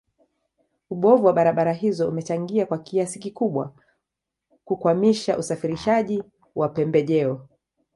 Ubovu wa barabara hizo umechangia kwa kiasi kikubwa kukwamisha usafirishaji wa pembejeo